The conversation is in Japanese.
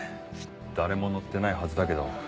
誰も乗ってないはずだけど。